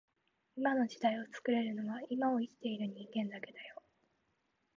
今の時代を作れるのは今を生きている人間だけだよ